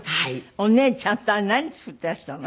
お姉ちゃんとは何作っていらしたの？